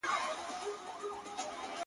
سیوری د ولي خوب د پېغلي پر ورنونه-